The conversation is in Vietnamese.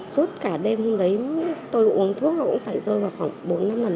sốt cả đêm hôm đấy tôi uống thuốc là cũng phải rơi vào khoảng bốn năm lần